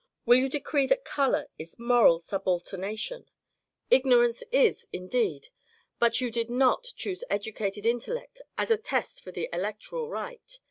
Will you decree that colour is moral subaltemation f Ignorance is, indeed, but you did not choose educated intellect as a test for the electoral right.